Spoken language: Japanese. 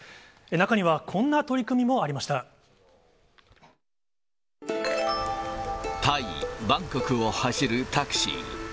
中にはこんな取り組みもありましタイ・バンコクを走るタクシー。